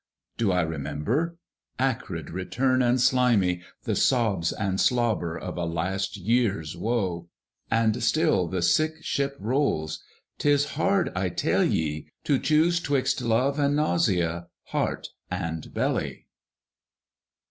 Do I remember? Acrid return and slimy, The sobs and slobber of a last years woe. And still the sick ship rolls. 'Tis hard, I tell ye, To choose 'twixt love and nausea, heart and belly.